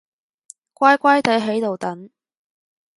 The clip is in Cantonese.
乖乖哋喺度等